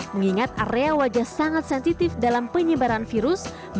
mengingat area wajah sangat sensitif dalam penyebaran virus